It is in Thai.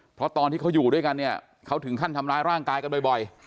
เพราะตอนที่เขาอยู่ด้วยกันเนี่ยเขาถึงขั้นทำร้ายร่างกายกันบ่อย